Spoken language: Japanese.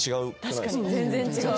確かに全然違う。